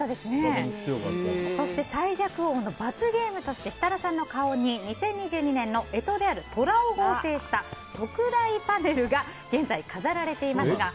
そして最弱王の罰ゲームとして設楽さんの顔に２０２２年の干支であるトラを合成した特大パネルが現在飾られています。